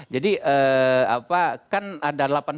jadi apa kan ada